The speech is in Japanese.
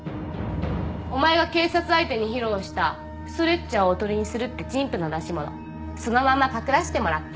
お前が警察相手に披露したストレッチャーをおとりにするって陳腐な出し物そのままパクらしてもらった。